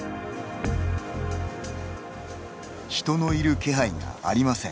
人のいる気配がありません。